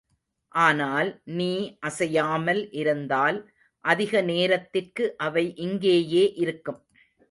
ஆனால், நீ அசையாமல் இருந்தால் அதிக நேரத்திற்கு அவை இங்கேயே இருக்கும்.